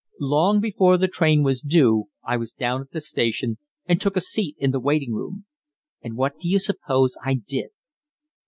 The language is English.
Long before the train was due I was down at the station and took a seat in the waiting room. And what do you suppose I did?"